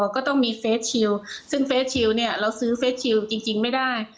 ก็ต้องมีเฟสชิลซึ่งเฟสชิลเนี่ยเราซื้อเฟสชิลจริงไม่ได้